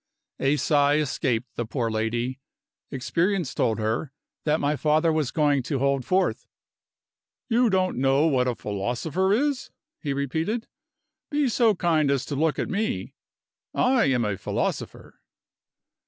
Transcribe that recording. A sigh escaped the poor lady. Experience told her that my father was going to hold forth. "You don't know what a philosopher is!" he repeated. "Be so kind as to look at me. I am a philosopher."